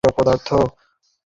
জ্বি হ্যাঁ, নিয়ে গিয়েছিলাম।